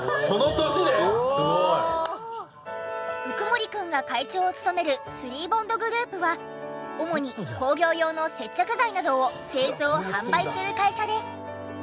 鵜久森くんが会長を務めるスリーボンドグループは主に工業用の接着剤などを製造・販売する会社で。